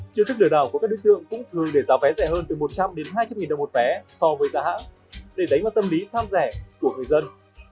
chiêu thức lừa đảo của các đối tượng cũng thường để giá vé rẻ hơn từ một trăm linh đến hai trăm linh nghìn đồng một vé so với giá hãng để đánh vào tâm lý tham rẻ của người dân